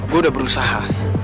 gua udah berusaha